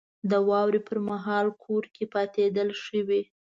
• د واورې پر مهال کور کې پاتېدل ښه وي.